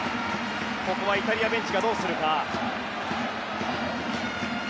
ここはイタリアベンチがどうするか。